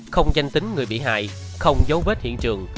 không danh tính người bị hại không dấu vết hiện trường